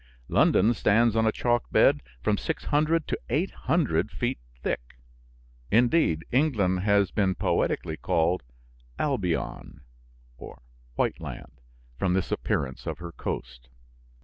London stands on a chalk bed, from six hundred to eight hundred feet thick. Indeed, England has been poetically called Albion, White land, from this appearance of her coast.